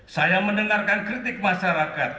saya mendengarkan kritik masyarakat